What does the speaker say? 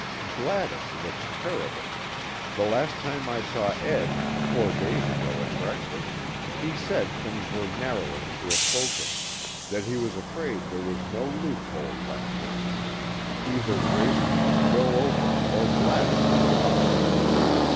Gladys looks terrible. The last time I saw Ed four days ago, at breakfast he said things were narrowing to a focus; that he was afraid there was no loop hole left her. Either Grayson must go over, or Gladys is lost.